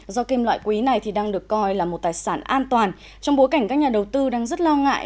do kem loại quý này thì đang được coi là một tài sản an toàn trong bối cảnh các nhà đầu tư đang rất lo ngại